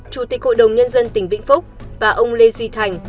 chủ tịch hội đồng nhân dân tỉnh vĩnh phúc và ông lê duy thành